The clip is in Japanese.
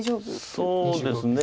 そうですね。